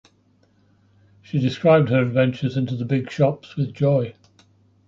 She described her adventures into the big shops with joy.